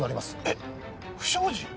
えっ不祥事！？